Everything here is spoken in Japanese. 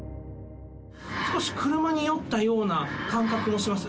少し車に酔ったような感覚もします。